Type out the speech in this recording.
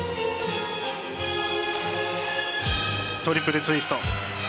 トリプルツイスト。